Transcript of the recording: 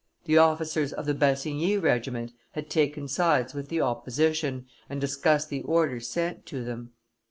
The officers of the Bassigny regiment had taken sides with the opposition, and discussed the orders sent to them.